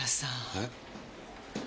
はい？